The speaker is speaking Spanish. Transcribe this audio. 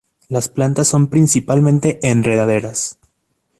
Las plantas son principalmente enredaderas.